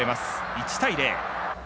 １対０。